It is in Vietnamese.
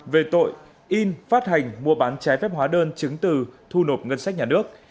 với hành vi in phát hành mua bán cháy phép hóa đơn chứng từ thu nộp ngân sách nhà nước